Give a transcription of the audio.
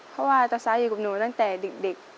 เพราะว่าตะซ้ายอยู่กับหนูตั้งแต่เด็ก